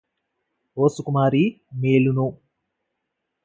ఓ సుకుమారీ! మేలును